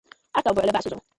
A ka buɣuli bahi so zuɣu.